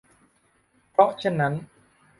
เพราะเช่นนั้น